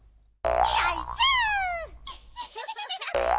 よいしょ！